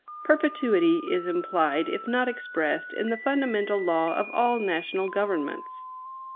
Perpetuity is implied, if not expressed, in the fundamental law of all national governments.